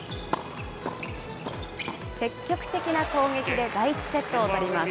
積極的な攻撃で第１セットを取ります。